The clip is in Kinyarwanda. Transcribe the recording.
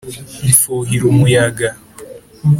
mfuhira umuyaga